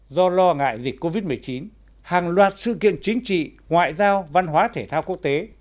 do lo ngại dịch covid một mươi chín hàng loạt sự kiện chính trị ngoại giao văn hóa thể thao quốc tế